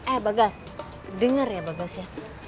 eh bagas dengar ya bagas ya